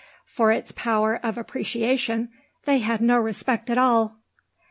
For its power of appreciation they had no respect at all.